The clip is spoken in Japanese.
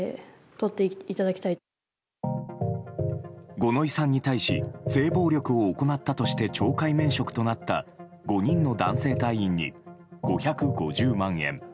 五ノ井さんに対し性暴力を行ったとして懲戒免職となった５人の男性隊員に５５０万円。